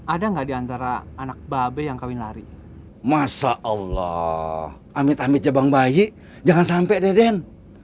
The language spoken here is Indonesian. ada gak diantara anak babe yang kawin lari masya allah amit amit jebang bayi jangan sampai deh den